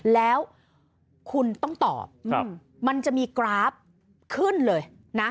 แล้วคุณต้องตอบมันจะมีกราฟขึ้นเลยนะ